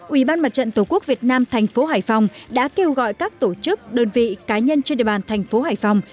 ubnd tổ quốc việt nam thành phố hải phòng đã kêu gọi các tổ chức đơn vị cá nhân trên địa bàn thành phố hải phòng